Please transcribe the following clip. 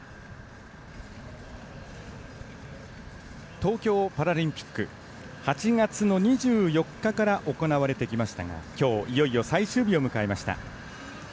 東京パラリンピック８月の２４日から行われてきましたがきょういよいよ最終日を迎えました。